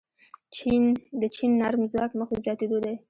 د چین نرم ځواک مخ په زیاتیدو دی.